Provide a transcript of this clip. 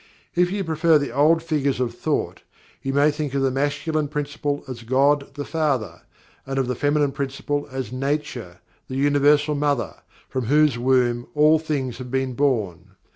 If you prefer the old figures of thought, you may think of the Masculine Principle as GOD, the Father, and of the Feminine Principle as NATURE, the Universal Mother, from whose womb all things have been born.